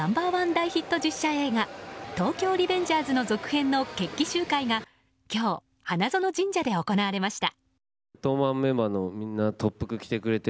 大ヒット実写映画「東京リベンジャーズ」の続編の決起集会が今日、花園神社で行われました。